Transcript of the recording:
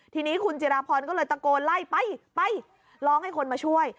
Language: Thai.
ทีนี้คุณจิราพรก็เลยตะโกนไล่ไปไปร้องให้คนมาช่วย